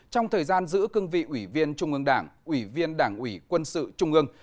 trong thời gian giữ cương vị ủy viên trung ương đảng ủy viên đảng ủy quân sự trung ương